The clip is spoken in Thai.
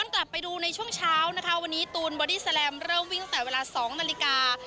กลับไปดูในช่วงเช้านะคะวันนี้ตูนบอดี้แลมเริ่มวิ่งตั้งแต่เวลา๒นาฬิกา